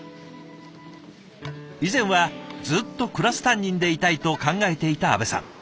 以前はずっとクラス担任でいたいと考えていた安部さん。